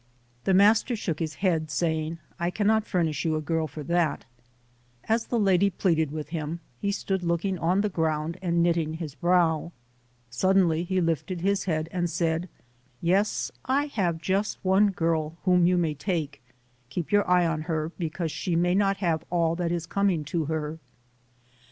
The master shook his head, saying, "I can not furnish you a girl for that". As the lady pleaded with him, he stood looking on the ground and knitting his brow. Suddenly he lifted his head and said, "Yes, I have just one girl whom you may take; keep your eye on her because she may not have all that is coming to her".